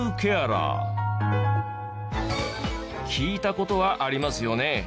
聞いた事はありますよね？